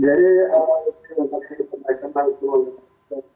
jadi saya ingin menguatkan saya tentang